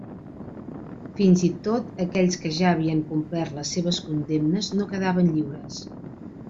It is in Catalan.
Fins i tot aquells que ja havien complert les seves condemnes no quedaven lliures.